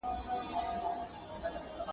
• د شنې بزې چيچى که شين نه وي، شين ټکئ به لري.